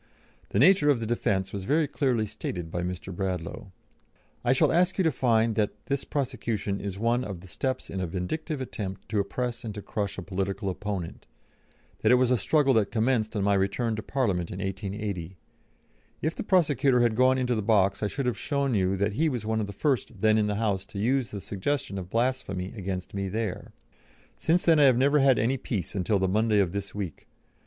The nature of the defence was very clearly stated by Mr. Bradlaugh: "I shall ask you to find that this prosecution is one of the steps in a vindictive attempt to oppress and to crush a political opponent that it was a struggle that commenced on my return to Parliament in 1880. If the prosecutor had gone into the box I should have shown you that he was one of the first then in the House to use the suggestion of blasphemy against me there. Since then I have never had any peace until the Monday of this week.